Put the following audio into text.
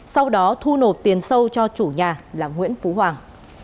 sau đó thu nộp tiền sâu cho chủ nhà là nguyễn phú hoàng